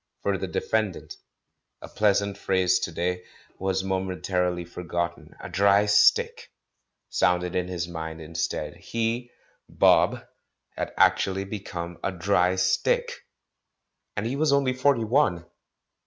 "For the defendant," a pleasant phrase to day, was momentarily forgotten; "a dry stick" sounded in his mind instead. He, *'Bob," had actually become a "dry stick"! And he was only forty one.